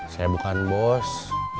saya bukan bos